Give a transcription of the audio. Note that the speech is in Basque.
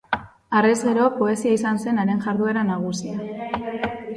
Harrez gero poesia izan zen haren jarduera nagusia.